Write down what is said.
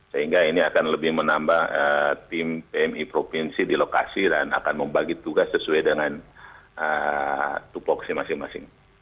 sehingga ini akan lebih menambah tim pmi provinsi di lokasi dan akan membagi tugas sesuai dengan tupoksi masing masing